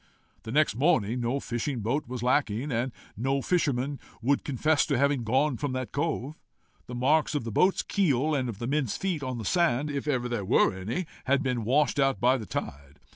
The next morning no fishing boat was lacking, and no fisherman would confess to having gone from that cove. The marks of the boat's keel, and of the men's feet, on the sand, if ever there were any, had been washed out by the tide.